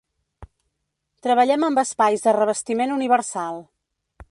Treballem amb espais de revestiment universal.